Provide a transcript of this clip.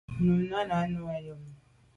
Nu Nana nu am à nu i.